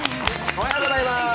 おはようございます。